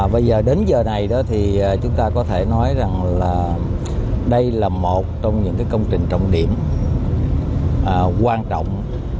bây giờ đến giờ này đó thì chúng ta có thể nói rằng là đây là một trong những công trình trọng điểm quan trọng